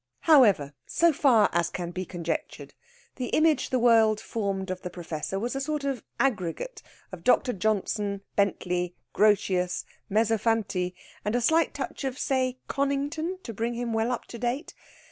However, so far as can be conjectured, the image the world formed of the Professor was a sort of aggregate of Dr. Johnson, Bentley, Grotius, Mezzofanti, and a slight touch of, say Conington, to bring him well up to date.